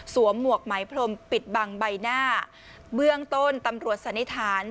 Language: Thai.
หมวกไหมพรมปิดบังใบหน้าเบื้องต้นตำรวจสันนิษฐาน